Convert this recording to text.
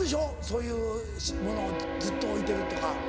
そういうものずっと置いてるとか。